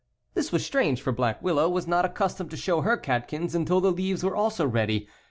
8 This was strange, for Black Willow was not ac customed to show her catkins until the leaves were also ready.